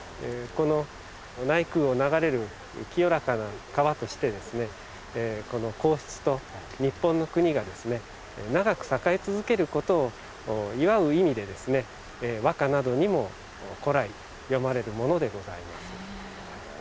この内宮を流れる清らかな川としてこの皇室と日本の国が長く栄え続けることを祝う意味で和歌などにも古来詠まれるものでございます。